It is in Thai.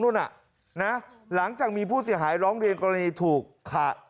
นู่นน่ะน่ะหลังจากมีผู้เสียหายร้องเรียนกรณีถูกขาด